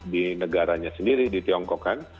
di negaranya sendiri di tiongkok kan